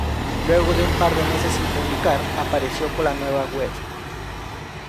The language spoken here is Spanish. Luego de un par de meses sin publicar, apareció con la nueva web.